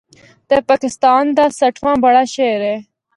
تے پاکستان دا سٹھواں بڑا شہر اے۔